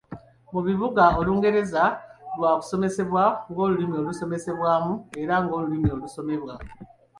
Mu bibuga Olungereza lwa kusomesebwa ng'olulimi olusomesebwamu era ng'olulimi olusomebwa.